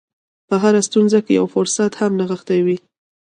په هره ستونزه کې یو فرصت هم نغښتی وي